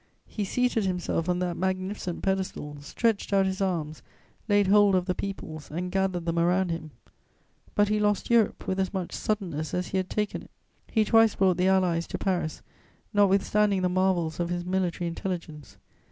He seated himself on that magnificent pedestal, stretched out his arms, laid hold of the peoples, and gathered them around him; but he lost Europe with as much suddenness as he had taken it; he twice brought the Allies to Paris, notwithstanding the marvels of his military intelligence.